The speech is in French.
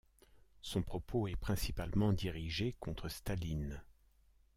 Son propos est principalement dirigé contre Staline.